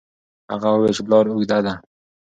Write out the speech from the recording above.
هغه وویل چې لار اوږده ده.